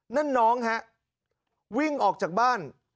นั่นน้องฮะวิ่งออกจากบ้าน